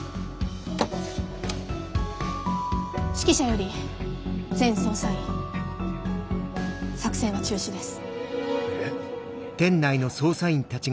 指揮車より全捜査員作戦は中止です。